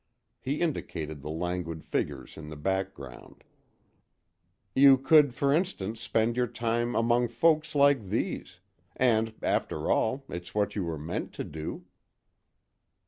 He indicated the languid figures in the foreground. "You could, for instance, spend your time among folks like these; and, after all, it's what you were meant to do."